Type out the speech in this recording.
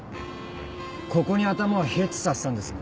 ここに頭をＨｉｔさせたんですね。